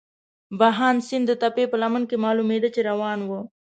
بهاند سیند د تپې په لمن کې معلومېده، چې روان وو.